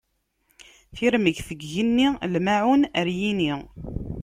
Tirmegt deg igenni, lmaɛun ar yini.